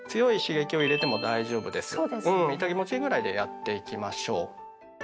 イタ気持ちいいぐらいでやっていきましょう。